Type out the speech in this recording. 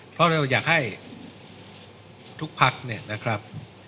เพราะเราอยากให้ทุกภักดิ์เนี่ยนะครับ